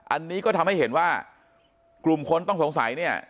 อันนี้ก็ทำให้เห็นว่ากลุ่มคนต้องสงสัยเนี่ย